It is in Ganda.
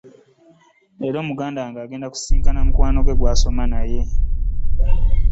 Leero muganda wange agenda kusisinkana mukwano gwe gw'asoma naye.